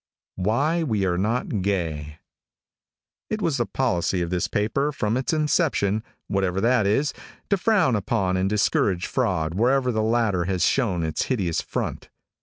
WHY WE ARE NOT GAY. |IT was the policy of this paper, from its inception, whatever that is, to frown upon and discourage fraud wherever the latter has shown its hideous front.